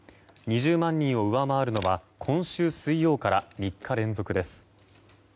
２０万人を上回るのは今週水曜から３日連続です。